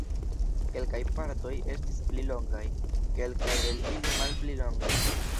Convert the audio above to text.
Kelkaj partoj estis pli longaj, kelkaj el ili malpli longaj.